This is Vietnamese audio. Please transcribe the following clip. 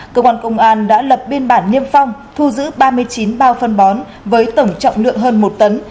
cơ quan công an đã lập biên bản niêm phong thu giữ ba mươi chín bao phân bón với tổng trọng lượng hơn một tấn